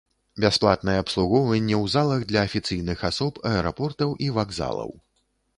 Бясплатнае абслугоўванне ў залах для афіцыйных асоб аэрапортаў і вакзалаў.